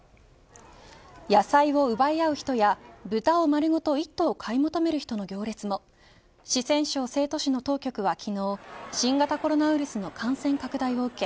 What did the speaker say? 野菜を奪い合う人や豚を丸ごと一頭を買い求める人の行列も四川省成都市の当局は昨日、新型コロナウイルスの感染拡大を受け